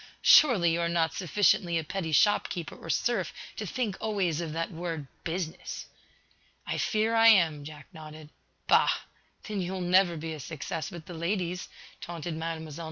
"Surely, you are not sufficiently a petty shop keeper or serf to think always of that word, 'business!'" "I fear I am," Jack nodded. "Bah! Then you will never be a success with the ladies," taunted Mlle.